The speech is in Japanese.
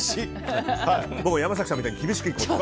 僕、山崎さんみたいに厳しくいこうと。